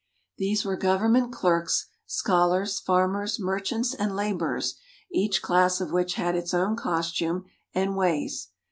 These were government clerks, scholars, farmers, merchants, and laborers, each class of which had its own costume and ways.